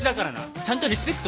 ちゃんとリスペクトしろよ。